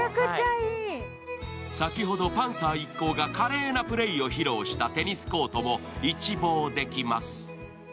先ほどパンサー一行が華麗なプレーを披露したテニスコートも一望できます。